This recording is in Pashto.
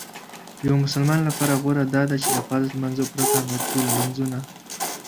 یو مسلمان لپاره غوره داده چې له فرض لمانځه پرته نور ټول لمنځونه